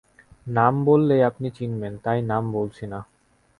নাম বললেই আপনি চিনবেন, তাই নাম বলছি না।